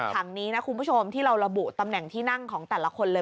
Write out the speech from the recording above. ถังนี้นะคุณผู้ชมที่เราระบุตำแหน่งที่นั่งของแต่ละคนเลย